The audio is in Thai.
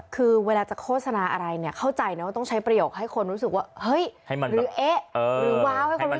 คือเวลาจะโฆษณาอะไรเนี่ยเข้าใจนะว่าต้องใช้ประโยคให้คนรู้สึกว่าเฮ้ยมันหรือเอ๊ะหรือว้าวให้คนรู้